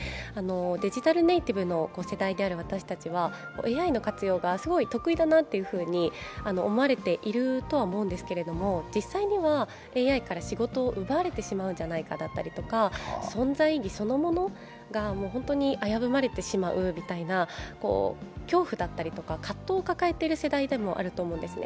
デジタルネイティブの世代である私たちは、ＡＩの活用がすごい得意だなと思われてると思うんですけど実際には、ＡＩから仕事を奪われてしまうんじゃないかだったりとか存在意義そのものが危ぶまれてしまうみたいな恐怖だったりとか、葛藤を抱えている世代でもあると思うんですね。